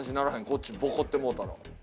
こっちボコってもうたら。